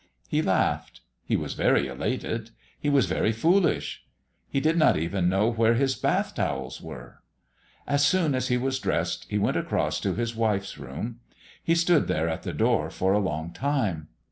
He laughed; he was very elated; he was very foolish. He did not even know where his bath towels were. As soon as he was dressed he went across to his wife's room. He stood there at the door for a long time.